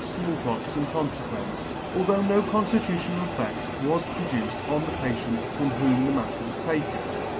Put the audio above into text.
Small Pox in confequence, although no conffitutional effect was pro duced on the patient from whom the matter was taken.